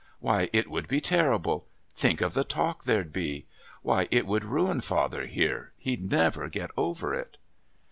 Why, it would be terrible! Think of the talk there'd be! Why, it would ruin father here. He'd never get over it."